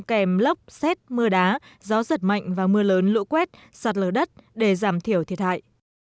kèm lốc xét mưa đá gió giật mạnh và mưa lớn lũ quét sạt lở đất để giảm thiểu thiệt hại